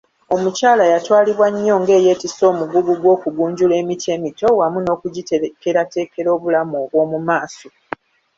Omukyala yatwalibwa nnyo nga eyeetisse omugugu gw’okugunjula emiti emito wamu n’okugiteekerateekera obulamu obw’omu maaso.